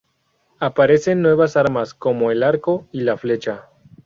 Aparecen nuevas armas como el arco y la flecha.